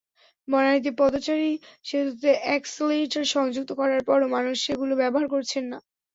বনানীতে পদচারী-সেতুতে অ্যাকসেলেটর সংযুক্ত করার পরও মানুষ সেগুলো ব্যবহার করছেন না।